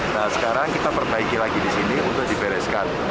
nah sekarang kita perbaiki lagi di sini untuk dibereskan